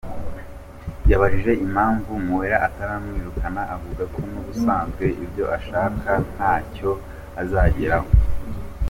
Yabajijwe impamvu Mueller ataramwirukana avuga ko n’ubusanzwe ibyo ashaka ntacyo azageraho.